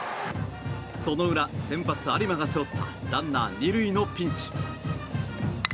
その裏、先発有馬が背負ったランナー２塁のピンチ。